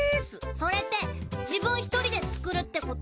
それって自分１人で造るってこと？